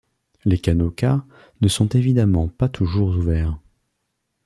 Les canaux K, ne sont évidemment pas toujours ouverts.